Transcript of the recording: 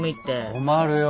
困るよ。